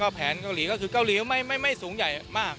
ก็แผนกล้องที่เกาหลีไม่สูงใหญ่มาก